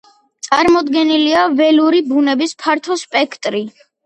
წარმოდგენილია ველური ბუნების ფართო სპექტრი.